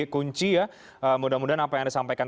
kunci ya mudah mudahan apa yang disampaikan